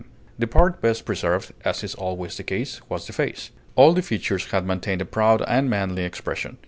The part best preserved, as is always the case, was the face. All the features had maintained a proud and manly expression.